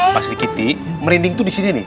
pas di kiti merinding tuh disini nih